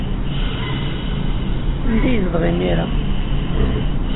Anda ay yezdeɣ imir-a?